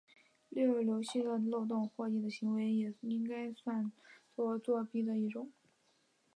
利用游戏的漏洞获益的行为也应该算作作弊的一种。